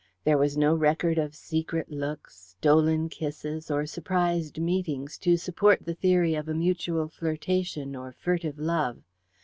There was no record of secret looks, stolen kisses, or surprised meetings to support the theory of a mutual flirtation or furtive love.